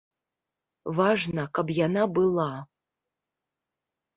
Важна, каб яна была.